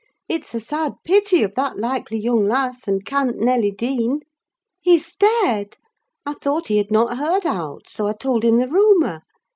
It's a sad pity of that likely young lass, and cant Nelly Dean.' He stared. I thought he had not heard aught, so I told him the rumour.